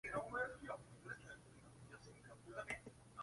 Ha vivido en Sevilla, París y Buenos Aires.